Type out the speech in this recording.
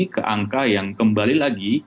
ke angka yang kembali lagi